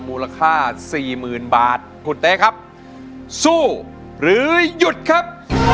มูลค่าสี่หมื่นบาทคุณเต๊ครับสู้หรือหยุดครับ